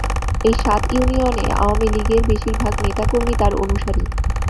এই সাত ইউনিয়নে আওয়ামী লীগের বেশির ভাগ নেতা কর্মী তাঁর অনুসারী।